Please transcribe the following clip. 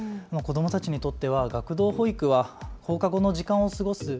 子どもたちとって学童保育は放課後の時間を過ごす